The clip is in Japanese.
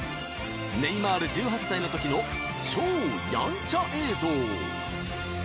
ネイマール１８歳のときの超やんちゃ映像。